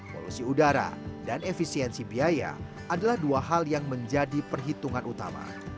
polusi udara dan efisiensi biaya adalah dua hal yang menjadi perhitungan utama